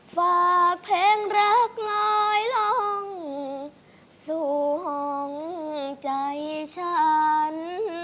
ฝากเพลงรักล้อยลองส่วงใจฉัน